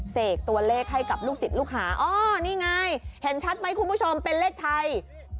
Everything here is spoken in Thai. เสกตัวเลขให้กับลูกศิษย์ลูกหาอ้อนี่ไงเห็นชัดไหมคุณผู้ชมเป็นเลขไทย